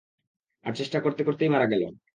আর চেষ্টা করতে করতেই মারা গেল।